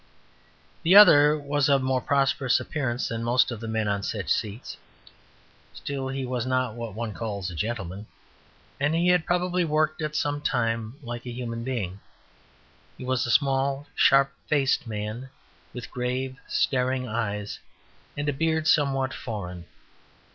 The other was of more prosperous appearance than most of the men on such seats; still, he was not what one calls a gentleman, and had probably worked at some time like a human being. He was a small, sharp faced man, with grave, staring eyes, and a beard somewhat foreign.